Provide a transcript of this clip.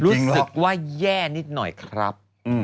รู้สึกว่าแย่นิดหน่อยครับ